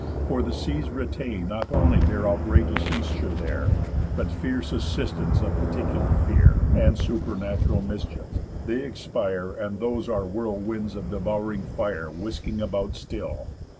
For the seas retain Not only their outrageous æsture there, But fierce assistants of particular fear, And supernatural mischief, they exspire, And those are whirlwinds of devouring fire Whisking about still.